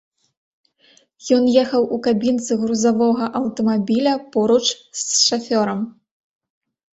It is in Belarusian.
Ён ехаў у кабінцы грузавога аўтамабіля поруч з шафёрам.